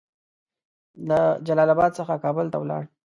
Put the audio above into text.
له جلال اباد څخه کابل ته ولاړ.